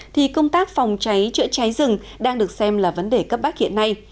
thì công tác phòng cháy chữa cháy rừng đang được xem là vấn đề cấp bách hiện nay